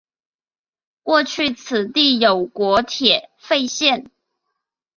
过去此地有国铁废线。